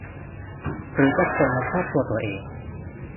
หรือจากคนในครอบครัวตัวเอง